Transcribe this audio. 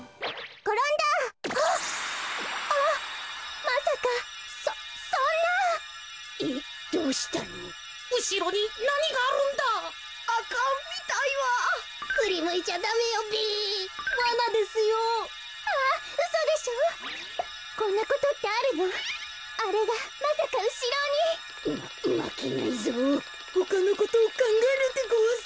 こころのこえほかのことをかんがえるでごわす。